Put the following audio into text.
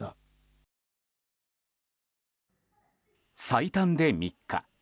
最短で３日。